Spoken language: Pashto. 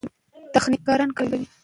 تخنیکران کار کوي.